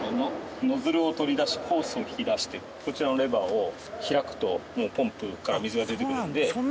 ノズルを取り出しホースを引き出してこちらのレバーを開くともうポンプから水が出てくるので。